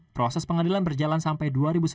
proses pengadilan berjalan sampai dua ribu sebelas